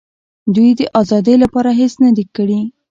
دوی د آزادۍ لپاره هېڅ نه دي کړي.